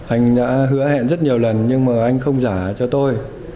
anh đã hứa hẹn rất nhiều lần nhưng mà anh không giả cho tôi